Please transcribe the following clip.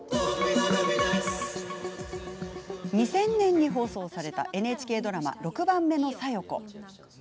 ２０００年放送のＮＨＫドラマ「六番目の小夜子」。